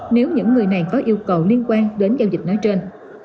nếu những người này có yêu cầu liên quan đến giao dịch nói trên